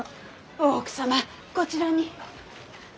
大奥様こちらに。